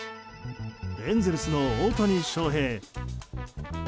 エンゼルスの大谷翔平。